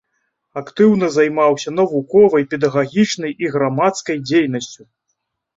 Актыўна займаўся навуковай, педагагічнай і грамадскай дзейнасцю.